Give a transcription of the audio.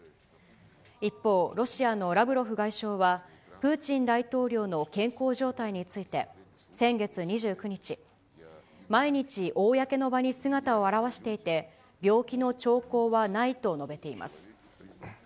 一方、ロシアのラブロフ外相は、プーチン大統領の健康状態について、先月２９日、毎日、公の場に姿を現していて、病気の兆候はないと述べています。